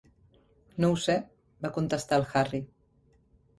"No ho sé", va contestar el Harry.